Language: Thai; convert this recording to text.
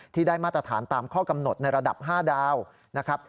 ที่ได้มาตรฐานตามข้อกำหนดในระดับ๕ดาวนะครับ